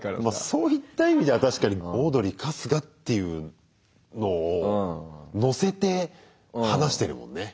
そういった意味では確かに「オードリー春日」っていうのをのせて話してるもんね。